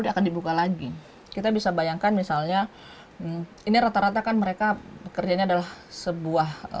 akan dibuka lagi kita bisa bayangkan misalnya ini rata rata kan mereka bekerjanya adalah sebuah